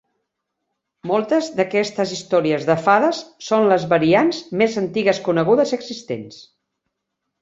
Moltes d'aquestes històries de fades són les variants més antigues conegudes existents.